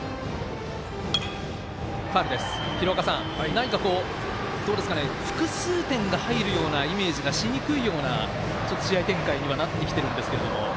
何か複数点が入るようなイメージがしにくいような試合展開にはなってきているんですが。